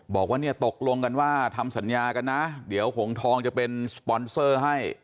บอกว่าเนี่ยตกลงกันว่าทำสัญญากันนะเดี๋ยวหงทองจะเป็นสปอนเซอร์ให้